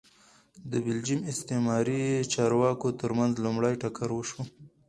د بلجیم استعماري چارواکو ترمنځ لومړی ټکر وشو